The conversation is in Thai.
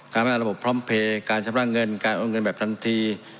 การเป็นอันดับระบบพร้อมเพลย์การชำระเงินการเอาเงินแบบทันที